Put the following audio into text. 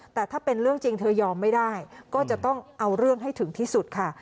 แต่ถ้าเป็นเรื่องจริงเธอยอมไม่ได้ก็จะต้องเอาเรื่องให้ถึงที่สุดค่ะ